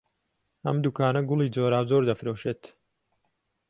ئەم دوکانە گوڵی جۆراوجۆر دەفرۆشێت.